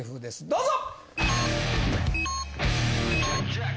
どうぞ！